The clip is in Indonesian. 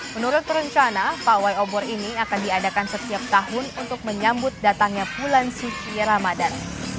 menurut rencana pawai obor ini akan diadakan setiap tahun untuk menyambut datangnya bulan suci ramadan